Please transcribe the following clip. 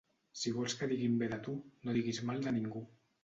Si vols que diguin bé de tu, no diguis mal de ningú.